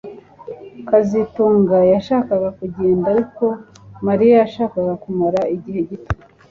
kazitunga yashakaga kugenda ariko Mariya yashakaga kumara igihe gito